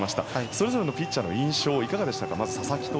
それぞれのピッチャーの印象いかがでしたか。